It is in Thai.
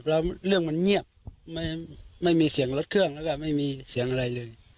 แล้วเรื่องมันเงียบไม่มีเสียงรถเครื่องแล้วก็ไม่มีเสียงอะไรเลย